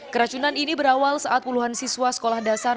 keracunan ini berawal saat puluhan siswa sekolah dasar